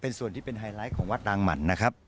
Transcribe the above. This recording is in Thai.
ส่วนที่เป็นไฮไลท์ของวัดรางหมั่นนะครับ